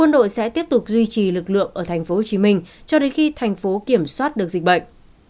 đã giữ được lượng ở tp hcm cho đến khi tp hcm kiểm soát được dịch bệnh